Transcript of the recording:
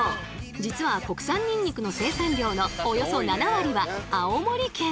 実は国産ニンニクの生産量のおよそ７割は青森県。